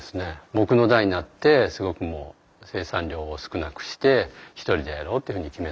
僕の代になってすごくもう生産量を少なくして１人でやろうっていうふうに決めたので。